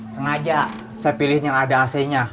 sengaja saya pilih yang ada ac nya